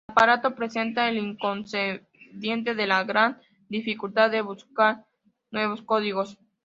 El aparato presentaba el inconveniente de la gran dificultad de buscar nuevos códigos.